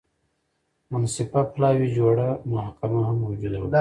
منصفه پلاوي جوړه محکمه هم موجوده وه.